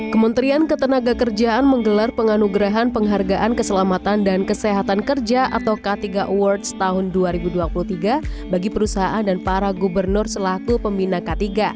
kementerian ketenaga kerjaan menggelar penganugerahan penghargaan keselamatan dan kesehatan kerja atau k tiga awards tahun dua ribu dua puluh tiga bagi perusahaan dan para gubernur selaku pembina k tiga